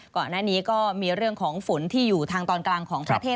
ก่อนหน้านี้ก็มีเรื่องของฝนที่อยู่ทางตอนกลางของประเทศ